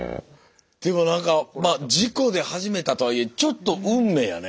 でもなんかまあ事故で始めたとはいえちょっと運命やね。